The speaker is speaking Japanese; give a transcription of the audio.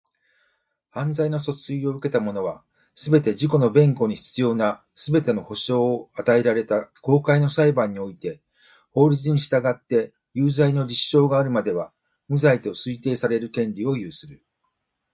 犯罪の訴追を受けた者は、すべて、自己の弁護に必要なすべての保障を与えられた公開の裁判において法律に従って有罪の立証があるまでは、無罪と推定される権利を有する。